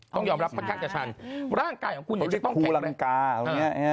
ต้องยอมรับค่อนข้างจะชันร่างกายของคุณจะจะต้องแข็งแรง